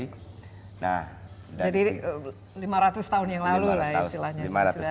jadi lima ratus tahun yang lalu lah ya silahnya